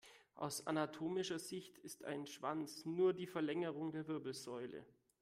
Aus anatomischer Sicht ist ein Schwanz nur die Verlängerung der Wirbelsäule.